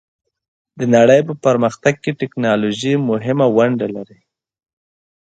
د نړۍ په پرمختګ کې ټیکنالوژي مهمه ونډه لري.